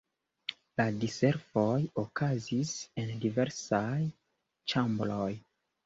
La diservoj okazis en diversaj ĉambroj.